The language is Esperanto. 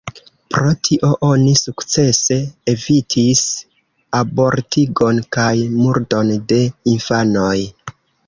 Pro tio oni sukcese evitis abortigon kaj murdon de infanoj.